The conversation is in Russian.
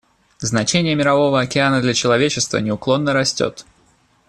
Значение Мирового океана для человечества неуклонно растет.